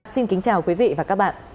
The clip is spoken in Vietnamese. xin kính chào quý vị và các bạn